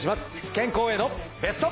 健康へのベスト。